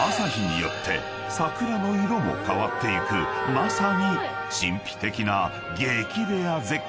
［まさに神秘的な激レア絶景］